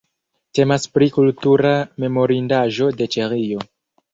Temas pri kultura memorindaĵo de Ĉeĥio.